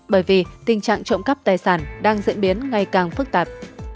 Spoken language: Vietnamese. bởi vì tình trạng trộm cắp tài sản đang diễn biến ngày càng phức tạp